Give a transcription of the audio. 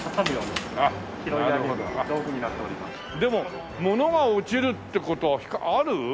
でも物が落ちるって事はある？